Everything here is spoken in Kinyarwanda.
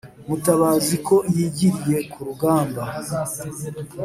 mutabazi ko yigiriye ku rugamba,